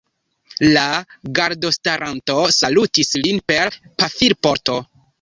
La gardostaranto salutis lin per pafilporto.